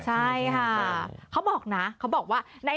ใช่ค่ะเขาบอกนะเขาบอกว่า